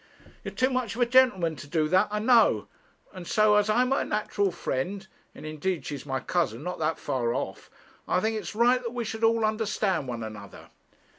'You're too much of a gentleman to do that, I know. And so, as I'm her natural friend and indeed she's my cousin, not that far off I think it's right that we should all understand one another.'